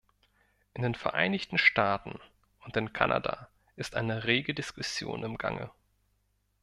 In den Vereinigten Staaten und in Kanada ist eine rege Diskussion im Gange.